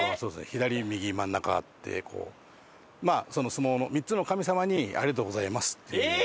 左右真ん中でこう相撲の３つの神様に「ありがとうございます」っていう。